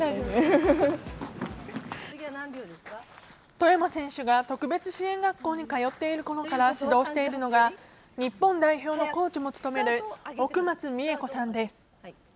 外山選手が特別支援学校に通っているころから指導しているのが日本代表のコーチも務める奥松美恵子さんです。